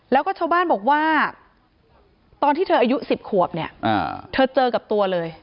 แล้วก็ชาวบ้านบอกว่าตอนที่เธออายุ๑๐ขวบเนี่ยเธอเจอกับตัวเลย